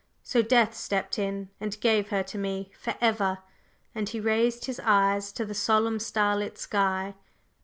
So Death stepped in and gave her to me forever!" and he raised his eyes to the solemn starlit sky.